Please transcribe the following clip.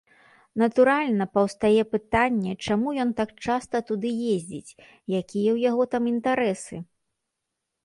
Натуральна, паўстае пытанне, чаму ён так часта туды ездзіць, якія ў яго там інтарэсы.